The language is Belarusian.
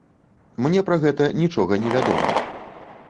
Мне пра гэта нічога не вядома.